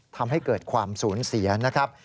ทำให้เกิดความสูญเสียนะครับ